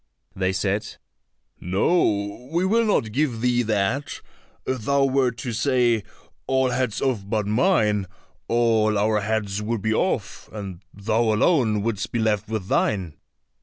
They said, "No, we will not give thee that; if thou were to say, All heads off but mine,' all our heads would be off, and thou alone wouldst be left with thine."